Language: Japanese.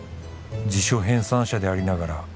「辞書編纂者でありながら」